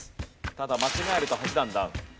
ただ間違えると８段ダウン。